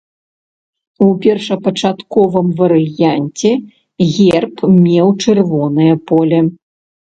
У першапачатковым варыянце герб меў чырвонае поле.